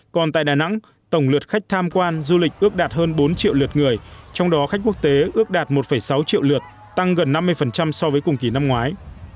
còn tại đà nẵng tổng lượt khách tham quan du lịch ước đạt hơn bốn triệu lượt người trong đó khách quốc tế ước đạt một sáu triệu lượt tăng gần năm mươi so với cùng kỳ năm ngoái